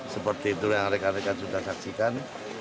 seperti itu yang rekan rekan sudah saksikan